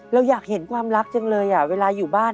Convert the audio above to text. เราอยากเห็นความรักจังเลยเวลาอยู่บ้าน